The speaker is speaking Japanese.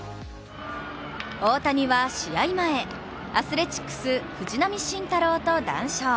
大谷は試合前アスレチックス・藤浪晋太郎と談笑。